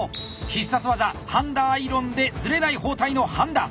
必殺技半田アイロンでずれない包帯の半田。